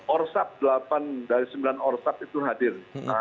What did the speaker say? orsak delapan dari sembilan orsak itu hadir